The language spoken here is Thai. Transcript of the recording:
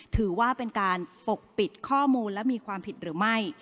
ถือว่าเป็นการปกปิดข้อมูลและมีความผิดหรือไม่